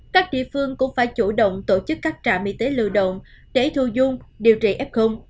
các địa phương cũng phải chủ động tổ chức các trạm y tế lưu động để thu dung điều trị f